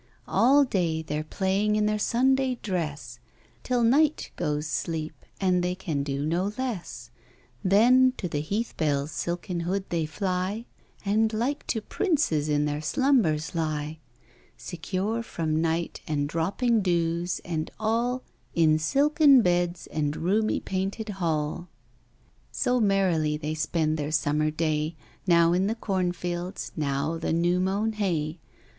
All day they're playing in their Sunday dress Till night goes sleep, and they can do no less; Then, to the heath bell's silken hood they fly, And like to princes in their slumbers lie, Secure from night, and dropping dews, and all, In silken beds and roomy painted hall. So merrily they spend their summer day, Now in the cornfields, now the new mown hay.